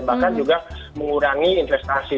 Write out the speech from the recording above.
bahkan juga mengurangi investasi